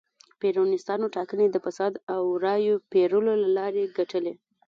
پېرونیستانو ټاکنې د فساد او رایو پېرلو له لارې ګټلې.